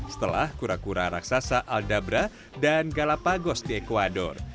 setelah kura kura raksasa aldabra dan galapagos di ecuador